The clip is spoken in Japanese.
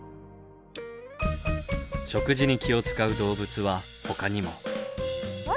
食事に気を遣う動物はほかにも。うわ！